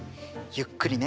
ゆっくりね。